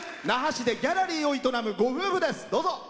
那覇市でギャラリーを営むご夫婦です。